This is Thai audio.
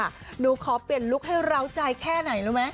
หนูขอเปลี่ยนลุคให้ร้าวใจแค่ไหนรู้ไหม